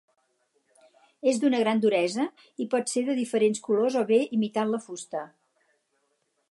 És d'una gran duresa i pot ser de diferents colors o bé imitant la fusta.